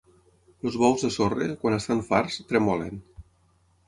Els bous de Sorre, quan estan farts, tremolen.